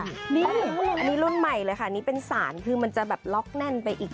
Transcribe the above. อันนี้รุ่นใหม่เป็นสารคือมันจะล็อคแน่นไปอีก